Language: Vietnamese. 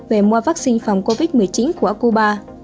về mua vaccine phòng covid một mươi chín của cuba